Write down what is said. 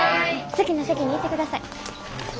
好きな席に行ってください。